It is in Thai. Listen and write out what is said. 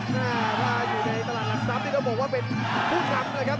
น่าว่าอยู่ในตลาดหลักสอบที่เค้าบอกว่าเป็นผู้ทำนะครับ